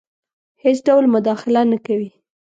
هیڅ ډول مداخله نه کوي.